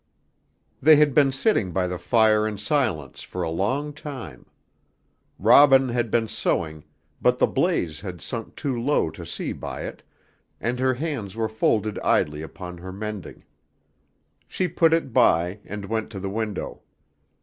They had been sitting by the fire in silence for a long time. Robin had been sewing, but the blaze had sunk too low to see by it, and her hands were folded idly upon her mending. She put it by, and went to the window.